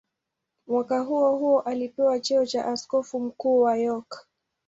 Mwaka huohuo alipewa cheo cha askofu mkuu wa York.